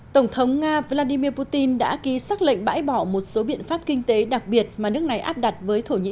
tổng thống nga vladimir putin đã ký xác lệnh bãi bỏ một số biện pháp kinh tế đặc biệt mà nước này áp đặt với thổ nhĩ kỳ